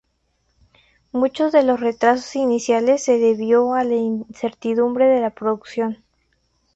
Muchos de los retrasos iniciales se debió a la incertidumbre de la producción.